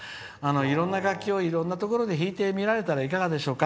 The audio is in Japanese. いろんな楽器をいろんなところで弾いてみたらいかがでしょうか。